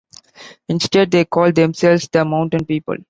Instead, they called themselves The Mountain People.